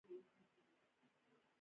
دواړه اړخو ته مو بې پایې لنده دښته.